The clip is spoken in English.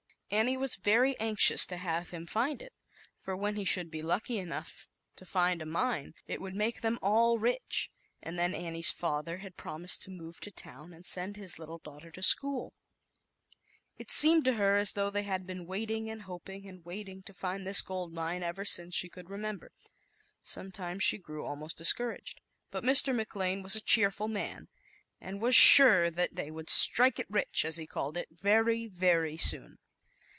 Annie was very anxious to have him find it, for when he should be lucky enough to find a mine it would them all rich, and then had promised to move to his little daughter to sch i It seemed to her as been waiting and homn Ann: 16 ZAUBERLINDA, THE WISE WITCH. to find this gold mine ever since she could remember. Sometimes she grew almost discouraged, but Mr. McLane was a cheerful man, and was sure that they would " strike it rich," as he called it, very, very soon.